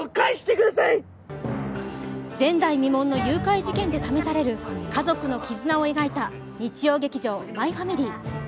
前代未聞の誘拐事件でためされる家族の絆を描いた日曜劇場「マイファミリー」。